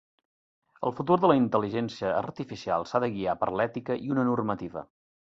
El futur de la intel·ligència artificial s'ha de guiar per l'ètica i una normativa.